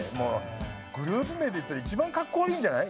グループ名で言うと一番かっこ悪いんじゃない？